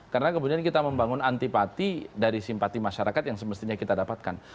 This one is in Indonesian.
karena kemudian kita membangun antipati dari simpati masyarakat yang semestinya kita dapatkan